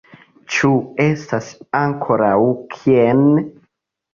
Ĉu estas ankoraŭ kien?